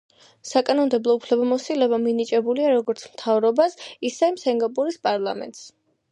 საკანონმდებლო უფლებამოსილება მინიჭებულია როგორც მთავრობას ისე სინგაპურის პარლამენტს.